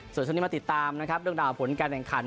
สวัสดีทุกคนมาติดตามนะครับเรื่องหน่าวผลการแห่งขัน